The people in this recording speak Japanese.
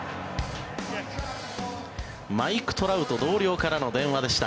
マイク・トラウト同僚からの電話でした。